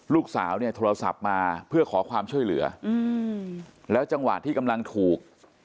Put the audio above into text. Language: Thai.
ลูกสาวเนี่ยโทรศัพท์มาเพื่อขอความช่วยเหลือแล้วจังหวะที่กำลังถูก